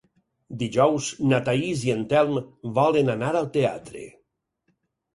Dijous na Thaís i en Telm volen anar al teatre.